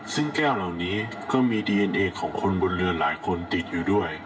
ซึ่งแก้วเหล่านี้ก็มีดีเอ็นเอของคนบนเรือหลายคนติดอยู่ด้วย